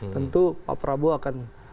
tentu pak prabowo akan